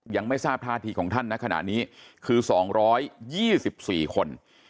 ยังไม่ทราบท่าทีของท่านณขณะนี้คือ๒๒๔คน